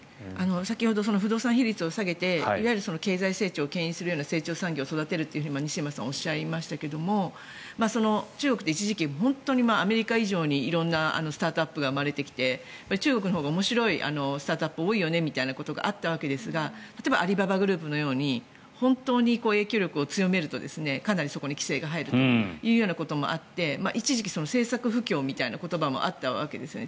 先ほど不動産比率を下げていわゆる経済成長をけん引するような成長産業を育てるって西村さんはおっしゃいましたが中国って一時期アメリカ以上に色んなスタートアップが生まれてきて中国のほうが面白いスタートアップが多いよねみたいなことがあったわけですが例えばアリババグループのように本当に影響力を強めるとそこにかなり規制が入るということもあって一時期、政策不況みたいな言葉もあったわけですね。